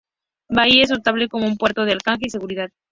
Bahía es notable como un puerto de anclaje y seguridad.